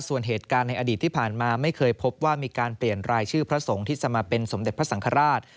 ส่วนเหตุการณ์ในอดีตที่ผ่านมาไม่เคยพบว่ามีการเปลี่ยนรายชื่อพระสงฆ์ที่จะมาเป็นสมเด็จพระสังฆราช